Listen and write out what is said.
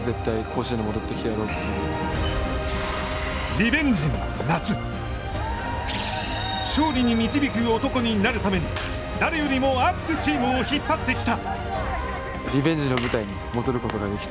リベンジの夏勝利に導く男になるために誰よりも熱くチームを引っ張ってきた。